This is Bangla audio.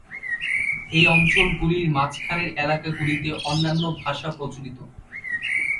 এই অঞ্চলগুলির মাঝখানের এলাকাগুলিতে অন্যান্য ভাষা প্রচলিত।